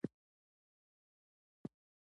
د مولی شیره د څه لپاره وکاروم؟